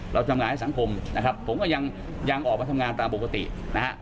เราทำงานให้สังคมนะครับผมก็ยังออกมาทำงานตามปกตินะฮะ